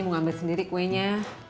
mau ngambil sendiri kuenya